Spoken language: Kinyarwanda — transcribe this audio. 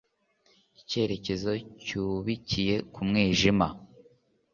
icyorezo cyubikiye mu mwijima